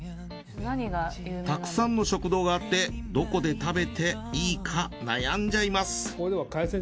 たくさんの食堂があってどこで食べていいか悩んじゃいます。